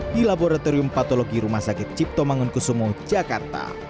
di laboratorium patologi rumah sakit ciptomangun kusumo jakarta